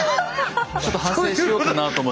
ちょっと反省しようかなと思って。